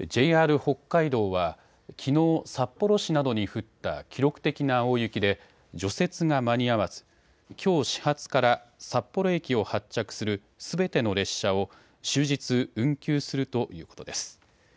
ＪＲ北海道はきのう札幌市などに降った記録的な大雪で除雪が間に合わずきょう、始発から札幌駅を発着する、すべての列車を終日運休するということです。